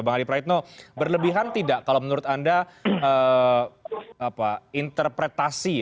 bang adi praitno berlebihan tidak kalau menurut anda interpretasi